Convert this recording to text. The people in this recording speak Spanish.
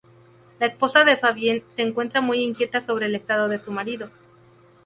La esposa de Fabien se encuentra muy inquieta sobre el estado de su marido.